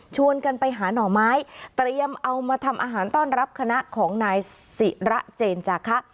กันไปหาหน่อไม้เตรียมเอามาทำอาหารต้อนรับคณะของนายศิระเจนจาคะ